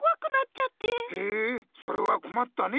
へえそれは困ったね。